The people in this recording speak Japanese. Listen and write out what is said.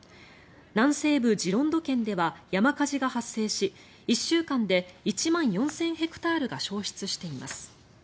南西部ジロンド県では山火事が発生し１週間で１万４０００ヘクタールが焼失しています。